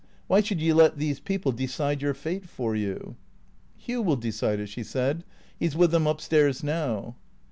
Why should you let these people decide your fate for you ?"" Hugh will decide it," she said. " He 's with them up stairs now."